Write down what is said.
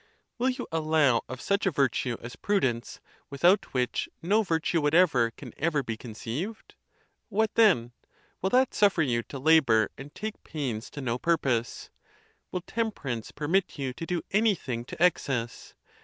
Will you allow of such a virtue as prudence, without which no vir tue whatever can even be conceived? What, then? Will that suffer you to labor and take pains to no purpose? Will temperance permit you to do anything to excess?